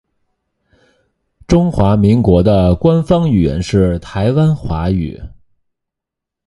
中华民国的官方语言是台湾华语。